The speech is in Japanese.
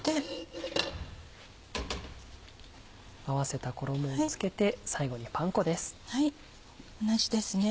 合わせた衣を付けて最後にパン粉です。